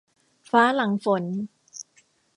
ฟ้าหลังฝน